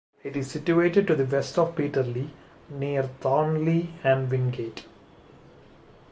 It is situated to the west of Peterlee, near Thornley and Wingate.